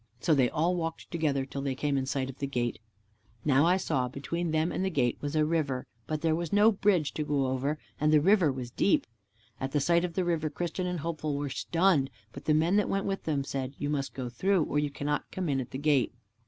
So they all walked together till they came in sight of the gate. Now I saw that between them and the gate was a river, but there was no bridge to go over, and the river was deep. At the sight of the river Christian and Hopeful were stunned, but the men that went with them said, "You must go through, or you cannot come in at the gate."